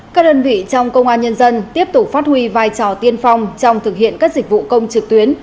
các đơn vị trong công an nhân dân tiếp tục phát huy vai trò tiên phong trong thực hiện các dịch vụ công trực tuyến